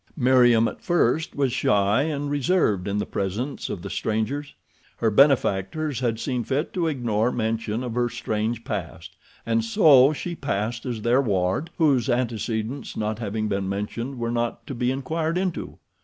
Meriem, at first, was shy and reserved in the presence of the strangers. Her benefactors had seen fit to ignore mention of her strange past, and so she passed as their ward whose antecedents not having been mentioned were not to be inquired into.